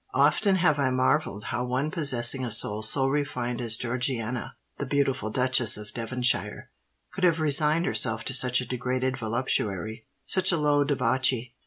Often have I marvelled how one possessing a soul so refined as Georgiana, the beautiful Duchess of Devonshire, could have resigned herself to such a degraded voluptuary—such a low debauchee.